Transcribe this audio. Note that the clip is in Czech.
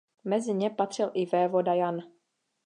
Mezi ně patřil i vévoda Jan.